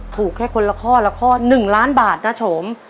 ถูกแค่คนละข้อละข้อ๑ล้านบาทนะโฉม